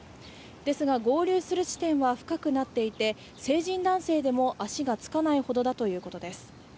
ですが、合流する地点は深くなっていて、成人男性でも足がつかないほどだということです。